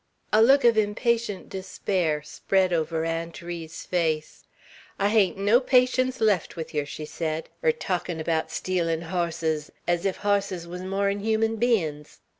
A look of impatient despair spread over Aunt Ri's face. "I hain't no patience left with yer," she said, "er talkin' abaout stealin' hosses ez ef hosses wuz more'n human bein's!